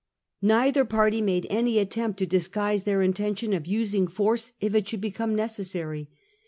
Neither party made any attempt to disguise their intention of using force if it should become necessary.